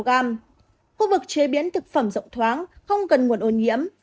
khu vực chế biến thực phẩm rộng thoáng không cần nguồn ô nhiễm